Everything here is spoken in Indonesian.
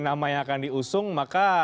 nama yang akan diusung maka